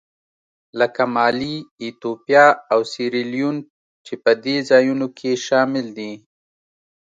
لکه مالي، ایتوپیا او سیریلیون چې په دې ځایونو کې شامل دي.